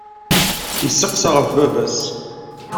Yesseqsa ɣef baba-s.